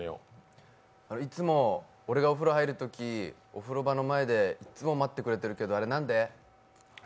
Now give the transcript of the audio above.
いつも俺がお風呂入るときお風呂場の前でいつも待ってくれてるけど、なんで？